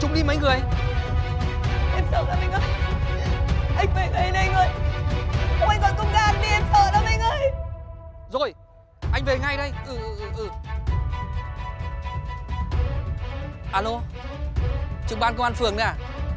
trường ban công an phường này à